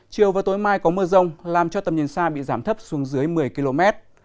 chiều và tối mai có mưa rông làm cho tầm nhìn xa bị giảm thấp xuống dưới một mươi km